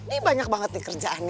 ini banyak banget nih kerjaannya